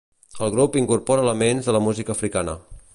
El grup incorpora elements de la música africana.